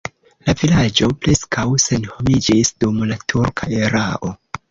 La vilaĝo preskaŭ senhomiĝis dum la turka erao.